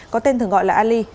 có tên thường gọi là ali